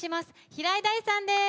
平井大さんです。